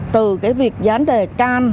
từ việc dán đề cam